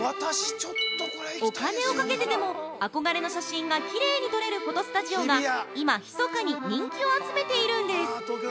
お金をかけてでも憧れの写真がきれいに撮れるフォトスタジオが今密かに人気を集めているんです。